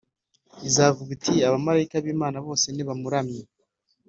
izavuga iti abamarayika b Imana bose nibamuramye